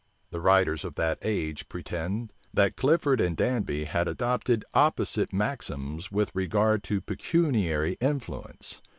The writers of that age pretend, that Clifford and Danby had adopted opposite maxims with regard to pecuniary influence.